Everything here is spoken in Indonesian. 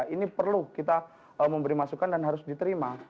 jadi perlu kita memberi masukan dan harus diterima